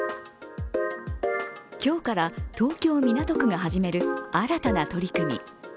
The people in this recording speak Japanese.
今日から東京・港区が始める新たな取り組み。